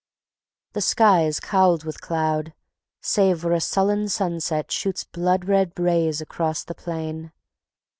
The sky is cowled with cloud, save where a sullen sunset shoots blood red rays across the plain.